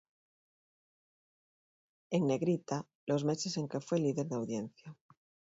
En negrita, los meses en que fue líder de audiencia.